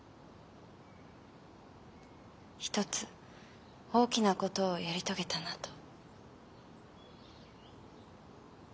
「一つ大きな事をやり遂げたな」と。